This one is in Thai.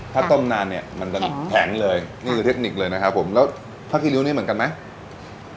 ถ้าต้มนานเนี่ยมันจะแข็งเลยนี่คือเทคนิคเลยนะครับผมแล้วถ้ากี่นิ้วนี้เหมือนกันไหม